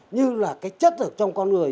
như là cái chất ở trong con người